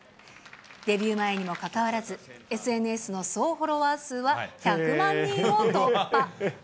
デビュー前にもかかわらず、ＳＮＳの総フォロワー数は１００万人を突破。